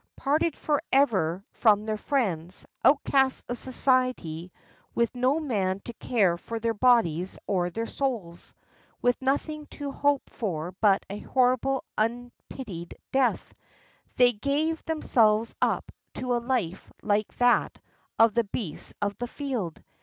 Parted forever from their friends, outcasts of society, with no man to care for their bodies or their souls, with nothing to hope for but a horrible unpitied death, they gave themselves up to a life like that of the beasts of the field.